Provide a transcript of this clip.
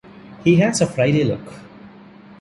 He has a Friday look.